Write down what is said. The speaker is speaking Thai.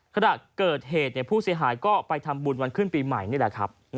ขณะเกิดเหตุผู้เสียหายก็ไปทำบุญวันขึ้นปีใหม่นี่แหละครับ